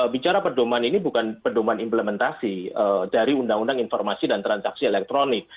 bicara pedoman ini bukan pedoman implementasi dari undang undang informasi dan transaksi elektronik